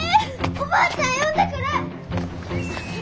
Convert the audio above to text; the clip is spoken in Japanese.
おばあちゃん呼んでくる！